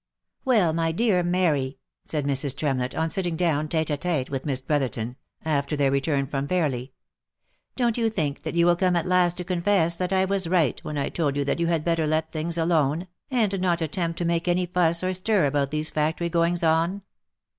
" Well, my dear Mary, I" said Mrs. Tremlett, on sitting down tete d tete with Miss Brotherton, after their return from Fairly, don't you think that you will come at last to confess that I was right when I told you that you had better let things alone, and not attempt to make any fuss or stir about these factory goings on